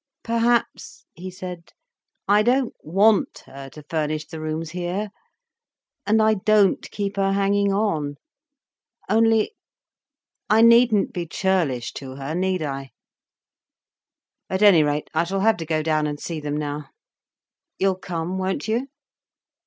"Perhaps," he said. "I don't want her to furnish the rooms here—and I don't keep her hanging on. Only, I needn't be churlish to her, need I? At any rate, I shall have to go down and see them now. You'll come, won't you?"